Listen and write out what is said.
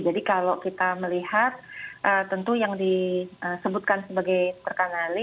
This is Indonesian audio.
jadi kalau kita melihat tentu yang disebutkan sebagai terkendali